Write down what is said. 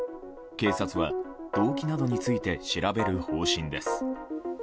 警察は動機などについて調べる方針です。